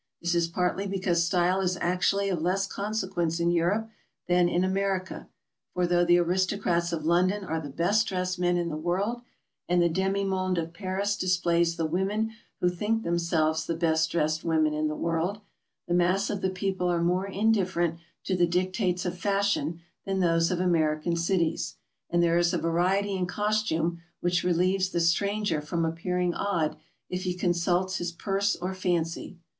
This is partly because style is actually of less consequence in Europe than in America, for though the aristocrats of London are the best dressed men in the w'orld, and the demi monde of Paris displays the women who think themselves the bes«t dressed women in the world, the mass of the people are more indifferent to the di'Ctates of fashion than those of American cities, and there is a varie'ty in costume which relieves the stranger from appearing odd if he consults his purse or fancy.